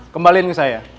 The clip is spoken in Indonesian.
kembaliin ke saya